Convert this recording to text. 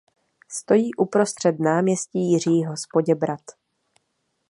Stojí uprostřed náměstí Jiřího z Poděbrad.